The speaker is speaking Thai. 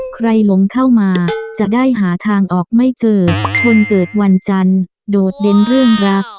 หลงเข้ามาจะได้หาทางออกไม่เจอคนเกิดวันจันทร์โดดเด่นเรื่องรัก